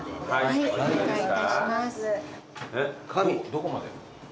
どこまで？